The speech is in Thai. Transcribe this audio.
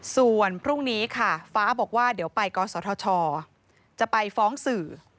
ส่วนพรุ่งนี้ค่ะฟ้าบอกว่าเดี๋ยวไปกศธชจะไปฟ้องสื่อ